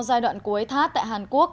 giai đoạn cuối thát tại hàn quốc